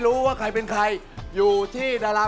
ฉันเห็นเขาเลิกละ